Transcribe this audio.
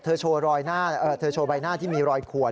เธอโชว์รอยหน้าเอ่อเธอโชว์ใบหน้าที่มีรอยขวน